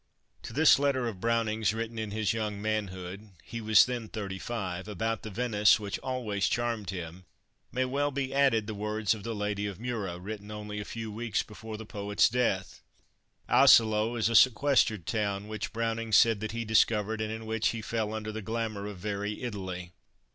To this letter of Browning's, written in his young manhood he was then thirty five about the Venice which always charmed him, may be well added the words of the Lady of Mura, written only a few weeks before the poet's death. Asolo is a sequestered town, which Browning said that he discovered, and in which he fell under the glamour of very Italy.